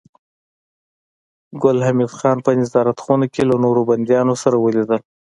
ګل حمید خان په نظارت خونه کې له نورو بنديانو سره ولیدل